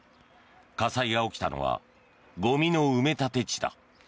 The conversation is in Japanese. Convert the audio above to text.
火災が起きたのはゴミの埋め立て地だ。